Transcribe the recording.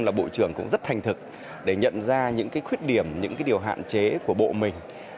là bộ trưởng cũng rất thành thực để nhận ra những khuyết điểm những cái điều hạn chế của bộ mình